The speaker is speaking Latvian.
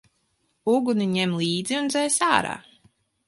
Uguni ņem līdz un dzēs ārā!